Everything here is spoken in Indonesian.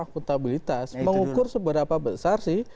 akuntabilitas mengukur seberapa besar